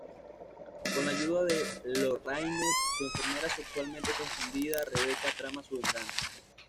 Con la ayuda de Lorraine, su enfermera sexualmente confundida, Rebecca trama su venganza.